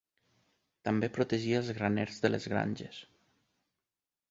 També protegia els graners de les granges.